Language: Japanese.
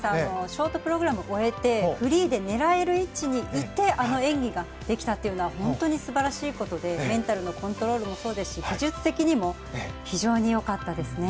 ショートプログラムを終えてフリーで狙える位置にいてあの演技ができたというのは本当に素晴らしいことでメンタルのコントロールもそうですし技術的にも非常によかったですね。